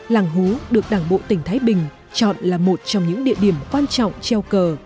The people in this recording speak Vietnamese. làng hú được đảng bộ tỉnh thái bình chọn là một trong những địa điểm quan trọng treo cờ